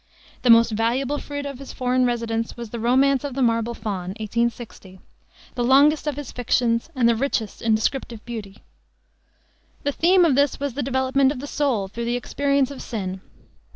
The most valuable fruit of his foreign residence was the romance of the Marble Faun, 1860; the longest of his fictions and the richest in descriptive beauty. The theme of this was the development of the soul through the experience of sin.